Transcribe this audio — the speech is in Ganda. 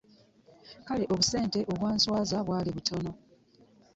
Kale obusente obwanswaza bwali butono.